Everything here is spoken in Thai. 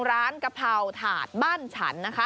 ร้านกะเพราถาดบ้านฉัน